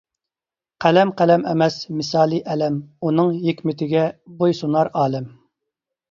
قەلەم قەلەم ئەمەس، مىسالى ئەلەم، ئۇنىڭ ھېكمىتىگە بويسۇنار ئالەم.